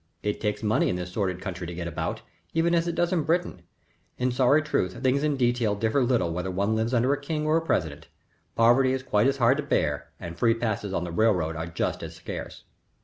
It takes money in this sordid country to get about, even as it does in Britain in sorry truth, things in detail differ little whether one lives under a king or a president; poverty is quite as hard to bear, and free passes on the railroad are just as scarce.